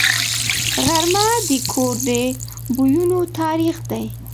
غرمه د کور د بویونو تاریخ دی